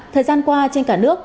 thời gian qua trên cả nước